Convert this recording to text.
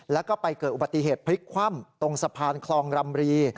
แล้วก็ไปเกิดอุบัติเหตุพลิกคว่ำตรงสะพานคลองรำรี